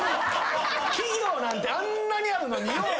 企業なんてあんなにあるのによう。